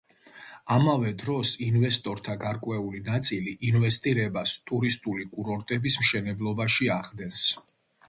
ამავე დროს, ინვესტორთა გარკვეული ნაწილი ინვესტირებას ტურისტული კურორტების მშენებლობაში ახდენს.